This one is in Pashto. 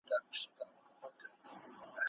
ډوډۍ د ښځې له خوا پخه شوه.